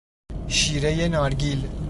شیرهی نارگیل